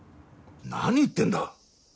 何言ってんだ！